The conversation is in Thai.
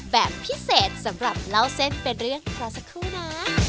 แบบพิเศษสำหรับเราเซ็รติเป็นเรื่องขอนะ